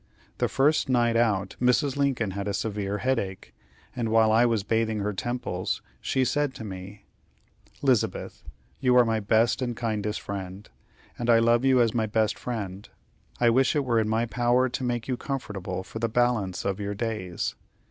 The first night out, Mrs. Lincoln had a severe headache; and while I was bathing her temples, she said to me: "Lizabeth, you are my best and kindest friend, and I love you as my best friend. I wish it were in my power to make you comfortable for the balance of your days.